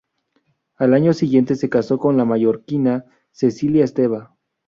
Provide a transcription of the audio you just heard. Al año siguiente se casó con la mallorquina Cecilia Esteva.